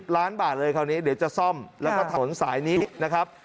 ล้านบาทเลยคราวนี้เดี๋ยวจะซ่อมแล้วก็ถนนสายนี้นะครับ